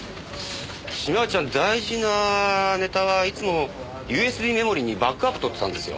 島内ちゃん大事なネタはいつもＵＳＢメモリーにバックアップとってたんですよ。